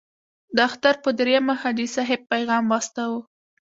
د اختر په دریمه حاجي صاحب پیغام واستاوه.